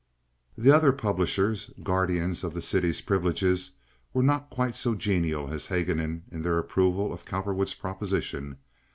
The other publishers, guardians of the city's privileges, were not quite so genial as Haguenin in their approval of Cowperwood's proposition.